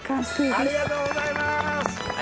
ありがとうございます！